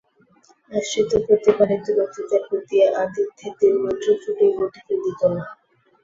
আশ্রিত প্রতিপালিত ব্যক্তিদের প্রতি আতিথ্যে তিলমাত্র ত্রুটি ঘটিতে দিত না।